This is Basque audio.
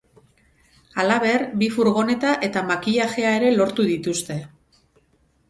Halaber, bi furgoneta eta makillajea ere lortu dituzte.